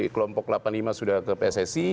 kelompok delapan puluh lima sudah ke pssi